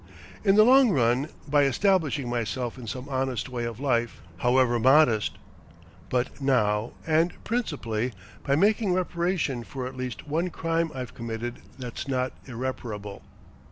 "In the long run, by establishing myself in some honest way of life, however modest; but now, and principally, by making reparation for at least one crime I've committed that's not irreparable."